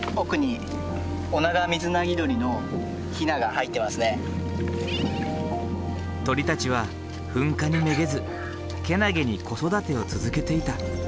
これあの鳥たちは噴火にめげず健気に子育てを続けていた。